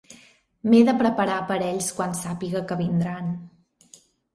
M'he de preparar per a ells quan sàpiga que vindran.